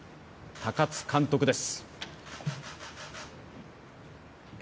高津監督です。